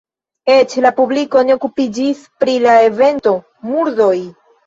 Eĉ la publiko ne okupiĝis pri la evento, murdoj.